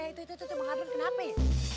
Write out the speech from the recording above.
ee itu itu bang harman kenapa ya